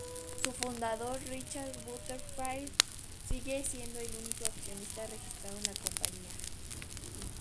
Su fundador Richard Butterfield sigue siendo el único accionista registrado de la compañía.